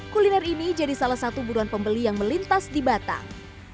kuliner ini jadi salah satu buruan pembeli yang melintas di batang